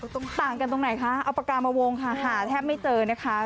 ต่างกันตรงไหนคะเอาปากกามาวงค่ะหาแทบไม่เจอนะคะ